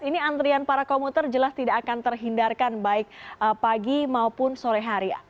ini antrian para komuter jelas tidak akan terhindarkan baik pagi maupun sore hari